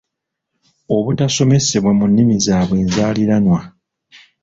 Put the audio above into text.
obutasomesebwa mu nnimi zaabwe enzaaliranwa.